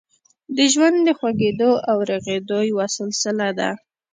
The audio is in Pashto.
ژوند د خوږېدو او رغېدو یوه سلسله ده.